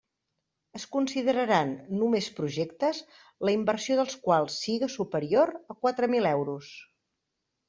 Es consideraran només projectes la inversió dels quals siga superior a quatre mil euros.